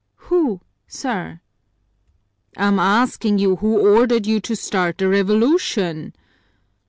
"Who, sir!" "I'm asking you who ordered you to start the revolution?"